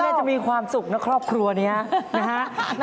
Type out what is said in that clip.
ยูเธอจะมีความสุขนะครอบครัวนี้นะครับ